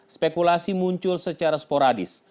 spekulasi muncul secara sporadis